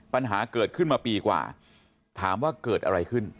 ปัญหาเกิดขึ้นมาปีกว่าถามว่าเกิดอะไรขึ้น